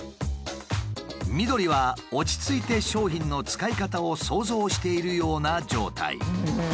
緑は落ち着いて商品の使い方を想像しているような状態。